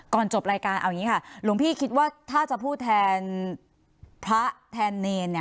จบรายการเอาอย่างนี้ค่ะหลวงพี่คิดว่าถ้าจะพูดแทนพระแทนเนร